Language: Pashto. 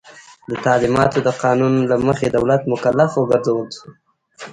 د تعلیماتو د قانون له مخي دولت مکلف وګرځول سو.